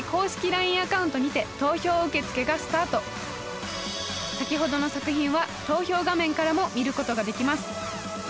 ＬＩＮＥアカウントにて投票受付がスタート先ほどの作品は投票画面からも見ることができます